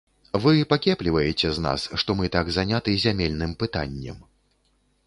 Вы пакепліваеце з нас, што мы так заняты зямельным пытаннем.